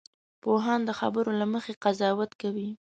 پوهان د خبرو له مخې قضاوت کوي